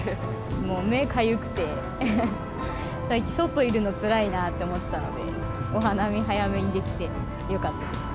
もう目、かゆくて、最近、外いるのつらいなって思ってたんで、お花見早めにできて、よかったです。